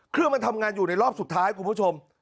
คือมันทำงานอยู่ในรอบสุดท้ายคุณผู้ชม